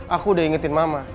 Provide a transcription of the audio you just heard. aku udah ingetin mama